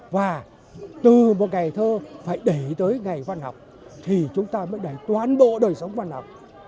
và từ một ngày thơ phải để tới ngày văn học thì chúng ta mới đẩy toàn bộ đời sống văn học